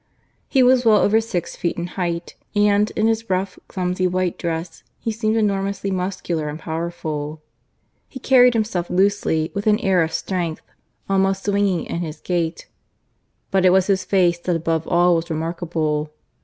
He was well over six feet in height, and, in his rough, clumsy white dress, he seemed enormously muscular and powerful. He carried himself loosely, with an air of strength, almost swinging in his gait. But it was his face that above all was remarkable.